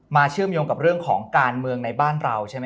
เชื่อมโยงกับเรื่องของการเมืองในบ้านเราใช่ไหม